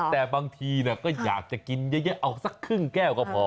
แต่บางทีก็อยากจะกินเยอะเอาสักครึ่งแก้วก็พอ